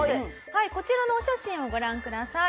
はいこちらのお写真をご覧ください。